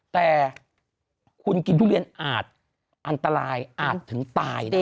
แต่คุณกินทุเรียนอาจอันตรายอาจถึงตายได้